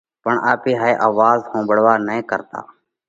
پڻ آپي ھائي آواز ۿومڀۯوا نھ ڪرتا